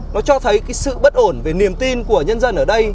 nó cho thấy cái sự bất ổn về niềm tin của nhân dân ở đây